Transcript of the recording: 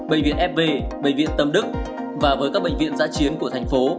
bệnh viện fb bệnh viện tâm đức và với các bệnh viện giã chiến của thành phố